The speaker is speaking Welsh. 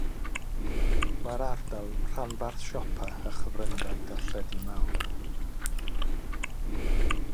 Mae'r ardal yn rhanbarth siopa a chyfryngau darlledu mawr.